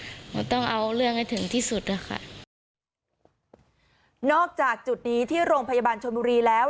หนูต้องเอาเรื่องให้ถึงที่สุดนะคะนอกจากจุดนี้ที่โรงพยาบาลชนบุรีแล้ว